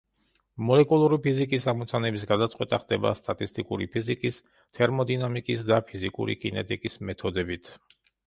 მოლეკულური ფიზიკის ამოცანების გადაწყვეტა ხდება სტატისტიკური ფიზიკის, თერმოდინამიკის და ფიზიკური კინეტიკის მეთოდებით.